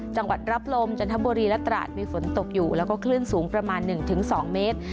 รับลมจันทบุรีและตราดมีฝนตกอยู่แล้วก็คลื่นสูงประมาณ๑๒เมตร